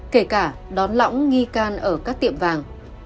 kể cả đón lõng nghi can ở các tiệm vàng